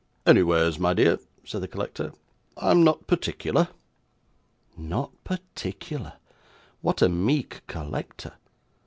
'Anywheres, my dear,' said the collector, 'I am not particular.' Not particular! What a meek collector!